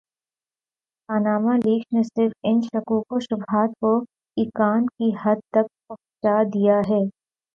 Panama leaks نے صرف ان شکوک وشبہات کو ایقان کی حد تک پہنچا دیا ہے۔